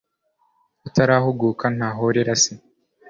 utarahuguka ntahorera se